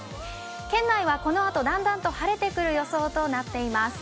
県内はこのあとだんだんと晴れてくる予想となっています。